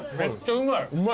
うまい。